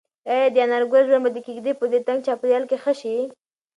ایا د انارګل ژوند به د کيږدۍ په دې تنګ چاپېریال کې ښه شي؟